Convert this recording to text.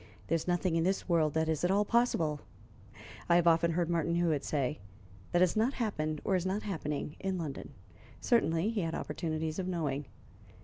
"There is nothing in this world that is at all possible," I have often heard Martin Hewitt say, "that has not happened or is not happening in London." Certainly he had opportunities of knowing.